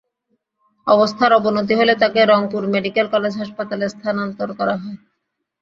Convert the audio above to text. অবস্থার অবনতি হলে তাঁকে রংপুর মেডিকেল কলেজ হাসপাতালে স্থানান্তর করা হয়।